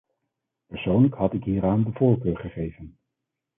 Persoonlijk had ik hieraan de voorkeur gegeven.